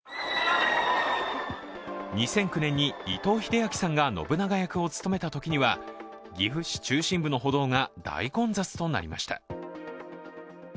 ２００９年に伊藤英明さんが信長役を務めたときには、岐阜市中心部の歩道が大混雑となりました。